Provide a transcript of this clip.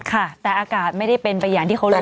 ค่ะแต่อากาศไม่ได้เป็นไปอย่างที่เขารู้